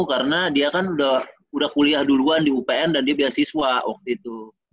karena dia kan udah kuliah duluan di upn dan dia beasiswa waktu itu